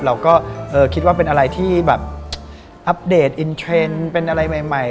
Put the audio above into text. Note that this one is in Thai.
เราก็คิดว่าเป็นอะไรที่แบบอัปเดตอินเทรนด์เป็นอะไรใหม่